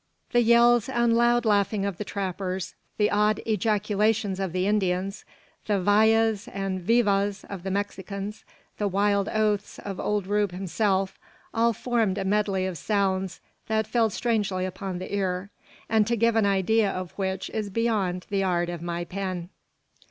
The yells and loud laughing of the trappers, the odd ejaculations of the Indians, the "vayas" and "vivas" of the Mexicans, the wild oaths of old Rube himself, all formed a medley of sounds that fell strangely upon the ear, and to give an idea of which is beyond the art of my pen.